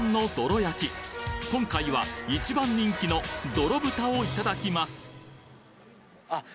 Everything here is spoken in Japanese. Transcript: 今回は一番人気のどろ豚をいただきますあっ